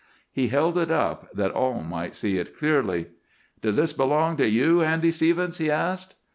He held it up, that all might see it clearly. "Does this belong to you, Andy Stevens?" he asked.